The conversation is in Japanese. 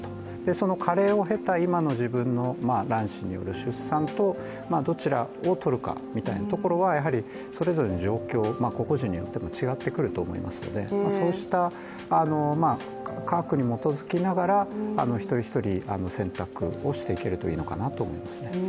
その加齢を経た今の自分の卵子、出産とどちらをとるかみたいなところはやはりそれぞれの状況、個々人によっても違ってくると思いますので、そうした科学に基づきながら一人一人、選択していければいいのかなと思いますね。